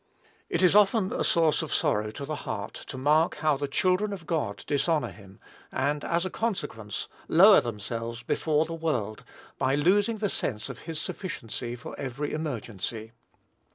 It is often a source of sorrow to the heart to mark how the children of God dishonor him, and, as a consequence, lower themselves before the world by losing the sense of his sufficiency for every emergency.